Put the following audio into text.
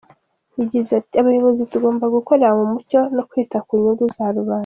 Yagize ati :"Abayobozi tugomba gukorera mu mucyo no kwita ku nyungu za rubanda.